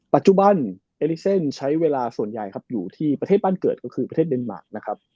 ปัจจุบันเอลิเซนใช้เวลาส่วนใหญ่ครับอยู่ที่ประเทศบ้านเกิดก็คือประเทศเดนมาร์คนะครับ